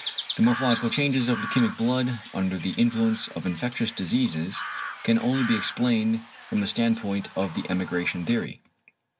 The morphological changes of leukæmic blood under the influence of infectious diseases can only be explained from the standpoint of the emigration theory.